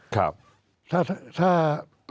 ถ้า